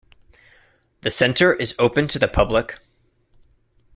The center is open to the public.